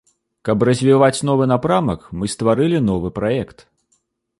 Каб развіваць новы напрамак, мы стварылі новы праект.